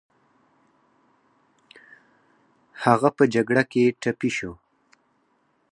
هغه په جګړه کې ټپي شو